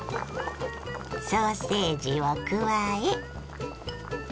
ソーセージを加え。